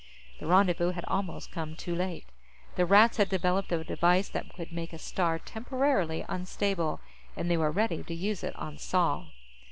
The rendezvous had almost come too late. The Rats had developed a device that could make a star temporarily unstable, and they were ready to use it on Sol.